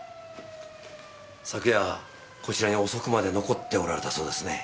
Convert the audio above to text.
昨夜こちらに遅くまで残っておられたそうですね。